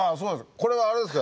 これはあれですから。